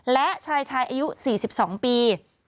และชายไทยอายุ๔๒ปี